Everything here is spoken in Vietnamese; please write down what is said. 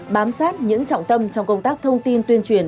bám sát những trọng tâm trong công tác thông tin tuyên truyền